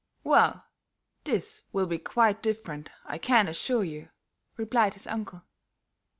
"Well, these will be quite different, I can assure you," replied his uncle.